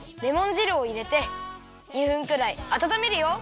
じるをいれて２分くらいあたためるよ。